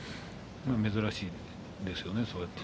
珍しいですよね。